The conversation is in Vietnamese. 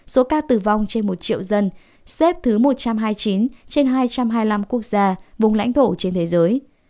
số ca tử vong trên một triệu dân xếp thứ một trăm hai mươi chín trên hai trăm hai mươi năm quốc gia vùng lãnh thổ trên thế giới